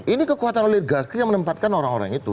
ini kekuatan oligarki yang menempatkan orang orang itu